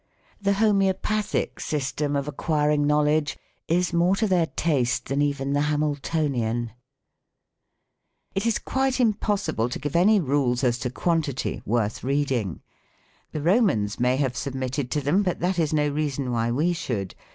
The Homoeopathic system of acquiring PROSODY. IVS knowledge is more to their taste than even the Hamil tonian. It is quite impossible to give any rules as to quantity worth reading. The Romans may have submitted to them, but that is no reason why we should.